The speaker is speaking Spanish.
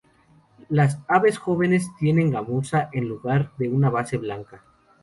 Las aves jóvenes tienen gamuza en lugar de una base blanca.